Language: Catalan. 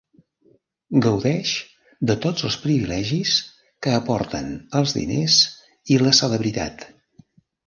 Gaudeix de tots els privilegis que aporten els diners i la celebritat.